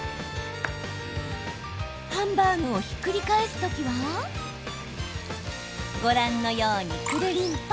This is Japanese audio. ハンバーグをひっくり返す時はご覧のように、くるりんぱ。